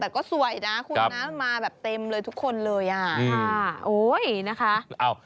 แต่ก็สวยนะคุณนะมาแบบเต็มเลยทุกคนเลย